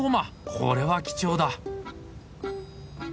これは貴重だ。